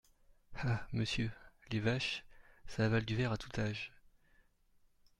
Ah ! monsieur, les vaches… ça avale du verre à tout âge…